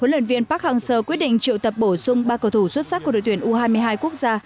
huấn luyện viên park hang seo quyết định triệu tập bổ sung ba cầu thủ xuất sắc của đội tuyển u hai mươi hai quốc gia